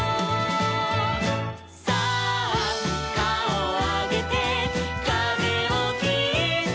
「さあかおをあげてかぜをきって」